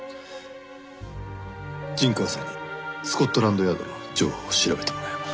陣川さんにスコットランドヤードの情報を調べてもらえば。